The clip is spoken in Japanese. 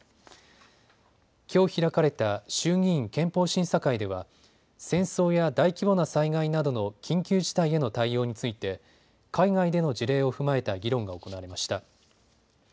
きょう開かれた衆議院憲法審査会では戦争や大規模な災害などの緊急事態への対応について海外での事例を踏まえた議論が行われました。